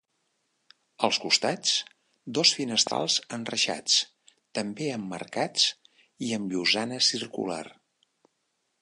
Als costats, dos finestrals enreixats també emmarcats i amb llosana circular.